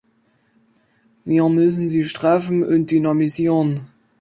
Wir müssen sie straffen und dynamisieren.